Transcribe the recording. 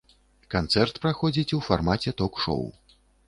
Канцэрт праходзіць у фармаце ток-шоў.